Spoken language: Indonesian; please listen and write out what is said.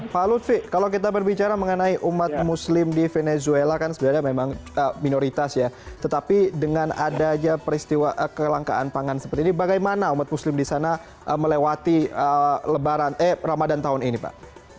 pak lutfi kalau kita berbicara mengenai umat muslim di venezuela kan sebenarnya memang minoritas ya tetapi dengan adanya peristiwa kelangkaan pangan seperti ini bagaimana umat muslim di sana melewati ramadan tahun ini pak